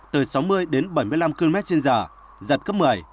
từ sáu mươi đến bảy mươi năm km trên giờ giật cấp một mươi